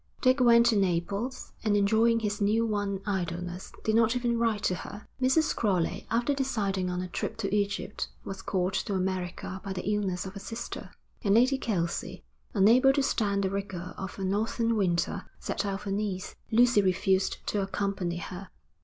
Dick went to Naples, and enjoying his new won idleness, did not even write to her. Mrs. Crowley, after deciding on a trip to Egypt, was called to America by the illness of a sister; and Lady Kelsey, unable to stand the rigour of a Northern winter, set out for Nice. Lucy refused to accompany her.